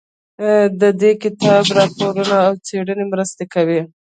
د دې کتاب راپورونه او څېړنې مرسته کوي.